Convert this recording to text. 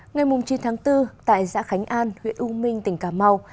ngày chín tháng bốn tại xã khánh an huyện u minh tỉnh cà mau